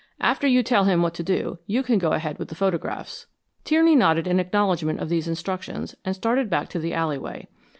After you tell him what to do, you can go ahead with the photographs." Tierney nodded in acknowledgment of these instructions and started back to the alleyway.